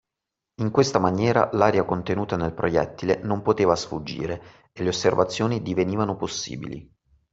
In questa maniera l’aria contenuta nel proiettile non poteva sfuggire e le osservazioni divenivano possibili.